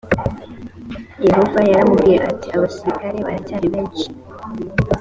yehova yaramubwiye ati abasirikare baracyari benshi